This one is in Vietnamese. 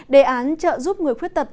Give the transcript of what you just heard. đề án trợ giúp người khuyết tật